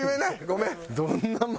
ごめん。